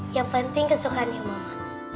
yang penting kesukanya mama